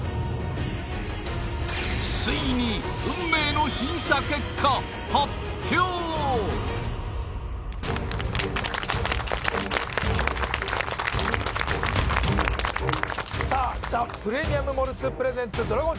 ついに運命の審査結果発表さあザ・プレミアム・モルツｐｒｅｓ